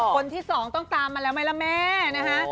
คนที่สองต้องตามมาแล้วไหมล่ะแม่นะคะ